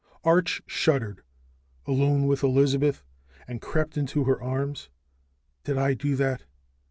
Arch shuddered, alone with Elizabeth, and crept into her arms. "Did I do that?"